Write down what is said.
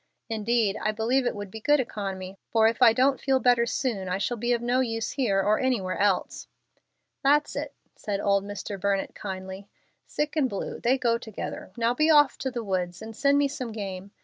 "Indeed, I believe it would be good economy, for if I don't feel better soon I shall be of no use here or anywhere else." "That's it," said old Mr. Burnett, kindly. "Sick and blue, they go together. Now be off to the woods, and send me some game.